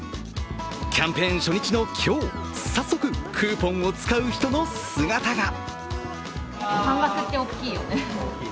キャンペーン初日の今日、早速、クーポンを使う人の姿が。